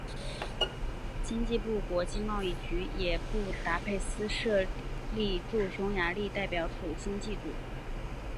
经济部国际贸易局也于布达佩斯设立驻匈牙利代表处经济组。